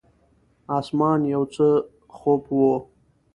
اسمان یو څه خوپ و.